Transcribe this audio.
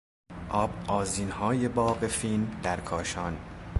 آب آذینهای باغ فین در کاشان